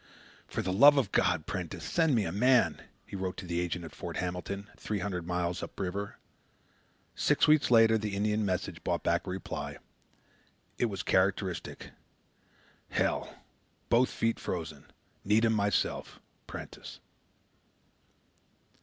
"For the love of God, Prentiss, send me a man," he wrote to the agent at Fort Hamilton, three hundred miles up river. Six weeks later the Indian messenger brought back a reply. It was characteristic: "Hell. Both feet frozen. Need him myself Prentiss."